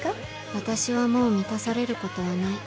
「私はもう満たされることはない」